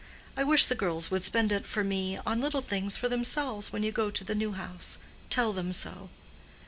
I wish the girls would spend it for me on little things for themselves when you go to the new house. Tell them so."